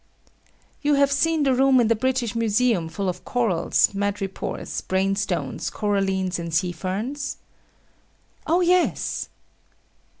You have seen the room in the British Museum full of corals, madrepores, brain stones, corallines, and sea ferns? Oh yes.